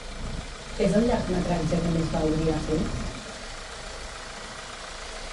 És el llargmetratge que més va odiar fer?